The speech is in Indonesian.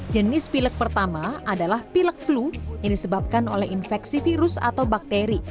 jenis pilek pertama adalah pilek flu yang disebabkan oleh infeksi virus atau bakteri